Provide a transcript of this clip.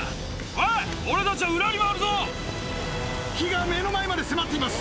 おい、俺たちは裏火が目の前まで迫っています。